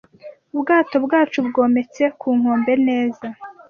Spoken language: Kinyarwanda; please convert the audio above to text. Ubwato bwacu bwometse ku nkombe neza